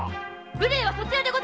無礼はそちらです！